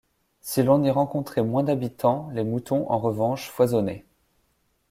Si l’on y rencontrait moins d’habitants, les moutons, en revanche, foisonnaient.